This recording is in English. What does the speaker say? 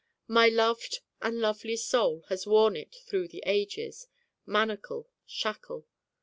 My loved and lovely Soul has worn it through the ages: manacle, shackle.